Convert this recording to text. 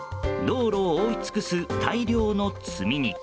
道路を覆い尽くす大量の積み荷。